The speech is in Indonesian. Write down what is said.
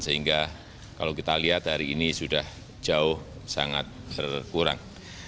sehingga kalau kita lihat hari ini sudah jauh sangat berkurang